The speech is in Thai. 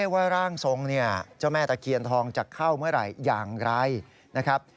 ร่างทรงเนี่ยเจ้าแม่ตะเคียนทองจะเข้าเมื่อไหร่อย่างไรนะครับ